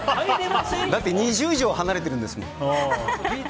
だって２０以上離れているんですもん。